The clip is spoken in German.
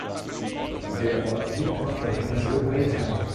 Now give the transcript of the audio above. Der Ort liegt auf der Insel Eita.